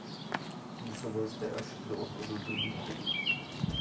Působil zde až do odchodu do důchodu.